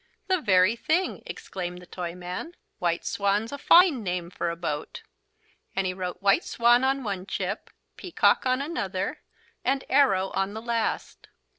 "The very thing," exclaimed the Toyman. "White Swan's a fine name for a boat!" And he wrote "White Swan" on one chip, "Peacock" on another, and "Arrow" on the last.